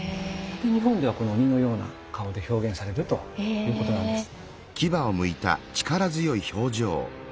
日本ではこの鬼のような顔で表現されるということなんです。